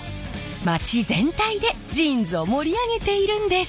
街全体でジーンズを盛り上げているんです。